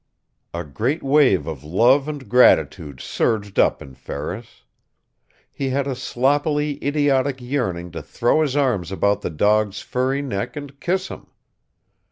A great wave of love and gratitude surged up in Ferris. He had a sloppily idiotic yearning to throw his arms about the dog's furry neck and kiss him.